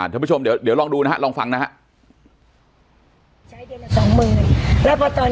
ท่านผู้ชมเดี๋ยวลองดูนะฮะลองฟังนะฮะ